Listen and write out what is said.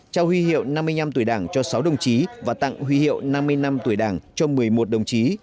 trao huy hiệu năm mươi năm tuổi đảng cho sáu đồng chí và tặng huy hiệu năm mươi năm tuổi đảng cho một mươi một đồng chí